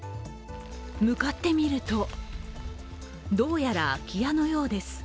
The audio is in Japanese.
向かってみると、どうやら、空き家のようです。